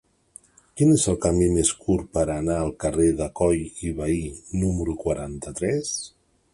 Quin és el camí més curt per anar al carrer de Coll i Vehí número quaranta-tres?